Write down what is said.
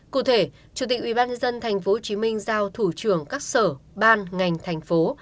cụ thể chủ tịch ubnd tp hồ chí minh giao thủ trưởng các sở ban ngành thành phố